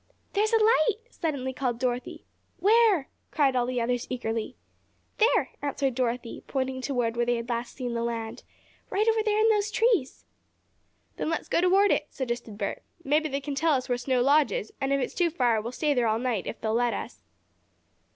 "There's a light!" suddenly called Dorothy. "Where?" cried all the others eagerly. "There," answered Dorothy, pointing toward where they had last seen the land. "Right over in those trees." "Then let's go toward it," suggested Bert. "Maybe they can tell us where Snow Lodge is, and if it's too far we'll stay there all night, if they'll let us."